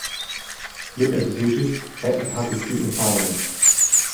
Li edziĝis kaj ekhavis du infanojn.